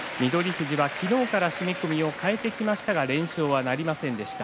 富士は昨日から締め込みを替えてきましたが連勝は、なりませんでした。